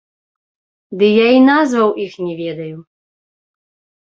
Ды я і назваў іх не ведаю.